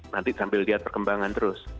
nanti sambil lihat perkembangan terus